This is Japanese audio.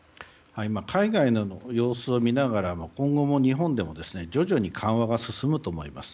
海外の様子を見ながらも今後、日本でも徐々に緩和が進むと思います。